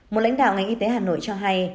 một lãnh đạo ngành y tế hà nội cho hay